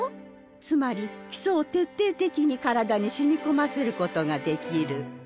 つまり基礎を徹底的に体に染み込ませることができる。